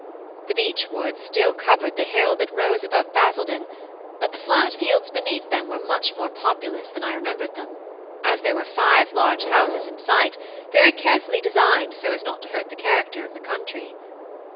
The beech woods still covered the hill that rose above Basildon; but the flat fields beneath them were much more populous than I remembered them, as there were five large houses in sight, very carefully designed so as not to hurt the character of the country.